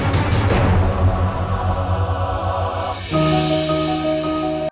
aku sudah selamat